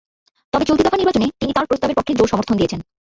তবে চলতি দফা নির্বাচনে তিনি তাঁর প্রস্তাবের পক্ষে জোর সমর্থন দিয়েছেন।